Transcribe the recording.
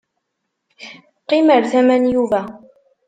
Qqim ar tama n Yuba.